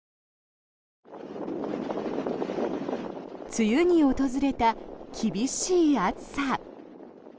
梅雨に訪れた厳しい暑さ。